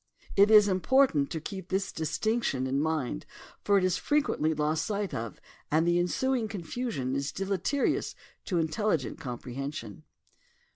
It is im portant to keep this distinction in mind for it is fre quently lost sight of and the ensuing confusion is deleterious to intelligent comprehension.